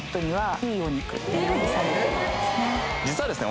実はですね